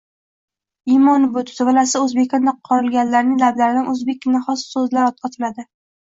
Iymoni but, zuvalasi oʻzbekona qorilganlarning lablaridan oʻzbekkagina xos soʻzlar otiladi.